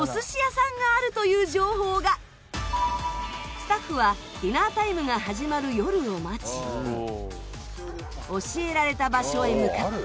スタッフはディナータイムが始まる夜を待ち教えられた場所へ向かった。